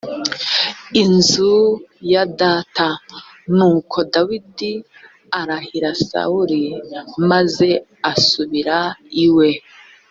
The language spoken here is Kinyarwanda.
inzu ya data nuko dawidi arahira sawuli maze asubira iwe